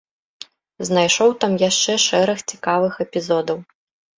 Знайшоў там яшчэ шэраг цікавых эпізодаў.